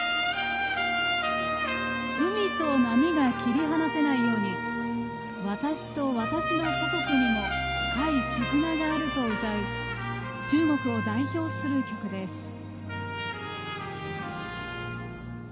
「海と波が切り離せないように私と私の祖国にも深い絆がある」と歌う中国を代表する曲です。